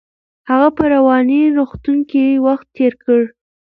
هغه په رواني روغتون کې وخت تیر کړ.